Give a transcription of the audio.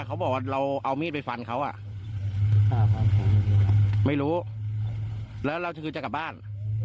เขาบอกว่าเราเอามีดไปฟันเขาอ่ะไม่รู้แล้วเราจะคือจะกลับบ้าน